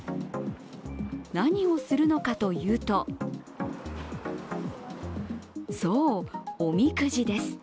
何をするのかというとそう、おみくじです。